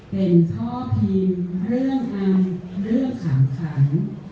เป็นท่อพิมพ์เรื่องอำเรื่องขำขัน